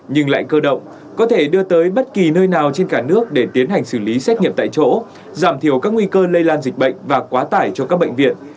nhưng lại cơ động có thể đưa tới bất kỳ nơi nào trên cả nước để tiến hành xử lý xét nghiệm tại chỗ giảm thiểu các nguy cơ lây lan dịch bệnh và quá tải cho các bệnh viện